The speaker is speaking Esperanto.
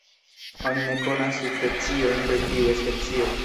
Oni ne konas subspeciojn de tiu specio.